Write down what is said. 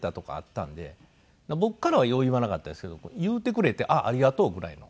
僕からはよう言わなかったですけど言うてくれてあっありがとうぐらいの。